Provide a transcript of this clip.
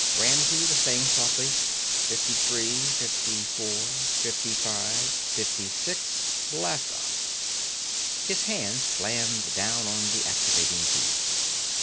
Ramsey was saying softly: "Fifty three, fifty four, fifty five, fifty six ... blastoff!" His hand slammed down on the activating key.